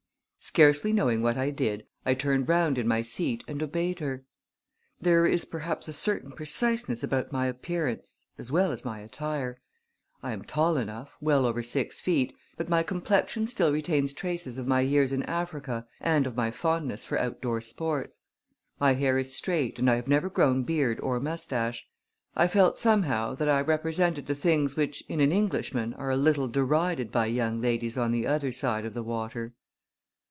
Scarcely knowing what I did, I turned round in my seat and obeyed her. There is, perhaps, a certain preciseness about my appearance as well as my attire. I am tall enough well over six feet but my complexion still retains traces of my years in Africa and of my fondness for outdoor sports. My hair is straight and I have never grown beard or mustache. I felt, somehow, that I represented the things which in an Englishman are a little derided by young ladies on the other side of the water.